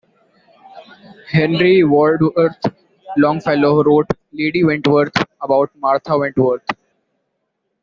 Henry Wadsworth Longfellow wrote "Lady Wentworth" about Martha Wentworth.